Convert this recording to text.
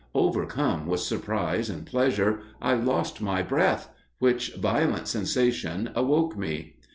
Overcome with surprise and pleasure, I lost my breath, which violent sensation awoke me.